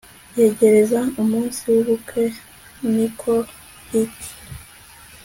yegereza umunsi wubukwe niko Ricky